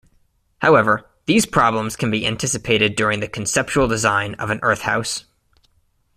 However, these problems can be anticipated during the conceptual design of an earth house.